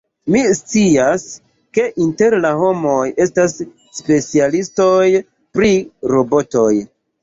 Mi scias, ke inter la homoj estas specialistoj pri robotoj.